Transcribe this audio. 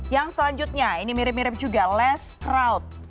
yang selanjutnya ini mirip mirip juga less crowd